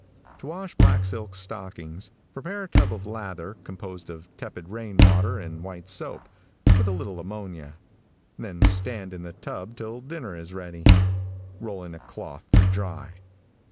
To wash black silk stockings, prepare a tub of lather, composed of tepid rain water and white soap, with a little ammonia. Then stand in the tub till dinner is ready. Roll in a cloth to dry.